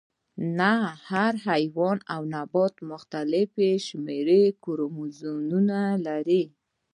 نه هر حیوان او نبات مختلف شمیر کروموزومونه لري